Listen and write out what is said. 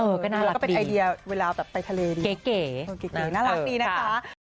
แล้วก็น่ารักแล้วก็เป็นไอเดียเวลาแบบไปทะเลดีเก๋น่ารักดีนะคะ